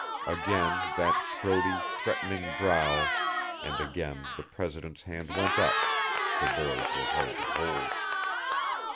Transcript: '" Again that throaty, threatening growl, and again the president's hand went up the boys were hard to hold.